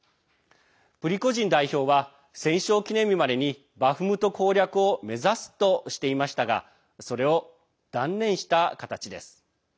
プリゴジン代表は戦勝記念日までにバフムト攻略を目指すとしていましたがそれを断念した形です。